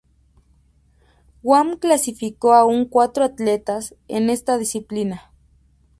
Guam clasificó a un cuatro atletas en esta disciplina.